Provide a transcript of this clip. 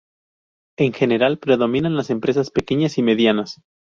En general, predominan las empresas pequeñas y medianas.